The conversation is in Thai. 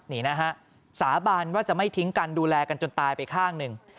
นี่นะฮะสาบานว่าจะไม่ทิ้งกันดูแลกันจนตายไปข้างหนึ่ง